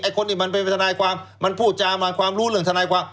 คนที่มันเป็นทนายความมันพูดจามาความรู้เรื่องทนายความ